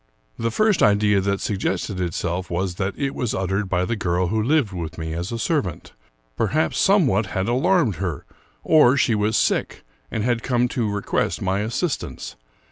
The first idea that suggested itself was that it was uttered by the girl who lived with me as a servant. Perhaps some what had alarmed her, or she was sick, and had come to request my assistance.